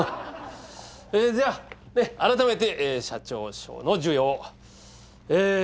じゃあ改めて社長賞の授与を。